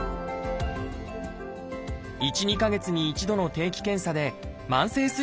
１２か月に一度の定期検査で慢性すい